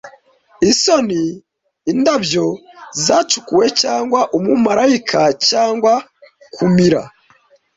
isoni indabyo zacukuwe cyangwa umumarayika cyangwa kumira